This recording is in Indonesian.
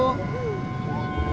kalau yang ini berapa